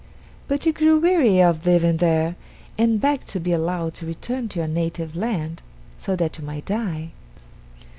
But you grew weary of living there, and begged to be allowed to return to your native land so that you might die.